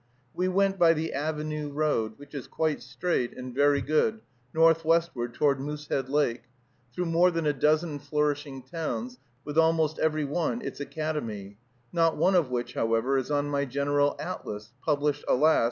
We went by the Avenue Road, which is quite straight and very good, northwestward toward Moosehead Lake, through more than a dozen flourishing towns, with almost every one its academy, not one of which, however, is on my General Atlas, published, alas!